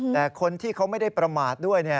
แต่คนที่เขาไม่ได้ประมาทด้วย